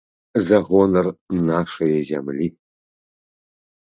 За гонар нашае зямлі!